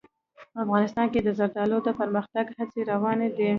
افغانستان کې د زردالو د پرمختګ هڅې روانې دي.